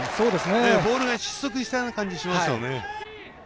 ボールが失速したような感じしますよね。